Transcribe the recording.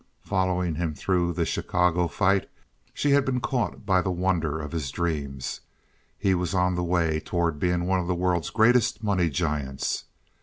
Following him through this Chicago fight, she had been caught by the wonder of his dreams; he was on the way toward being one of the world's greatest money giants.